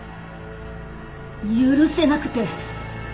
許せなくて。